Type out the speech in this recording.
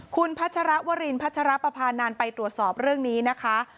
คุณพัชรวรินพัชรปภานันไปตรวจสอบเรื่องนี้นะคะ